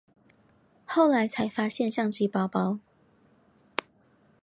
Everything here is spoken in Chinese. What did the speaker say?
后来才发现相机包包